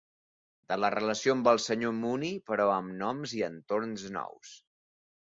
De la relació amb el senyor Mooney, però amb noms i entorns nous.